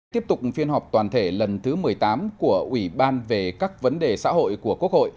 tiếp tục phiên họp toàn thể lần thứ một mươi tám của ủy ban về các vấn đề xã hội của quốc hội